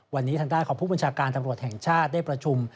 วันนี้ทางด้านของผู้บัญชาการตำรวจแห่งชาติได้ประชุม